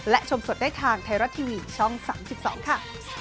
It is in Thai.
และชมสดได้ทางไทยรัฐทีวีช่อง๓๒ค่ะ